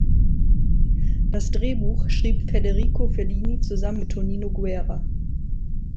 Das Drehbuch schrieb Federico Fellini zusammen mit Tonino Guerra.